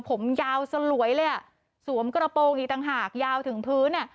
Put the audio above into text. ผมยาวสลวยเลยสวมกระโปรงอยู่ต่างหากยาวถึงพื้น